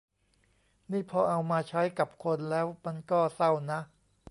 นี่พอเอามาใช้กับคนแล้วมันก็เศร้านะ